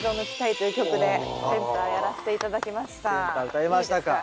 歌いましたか。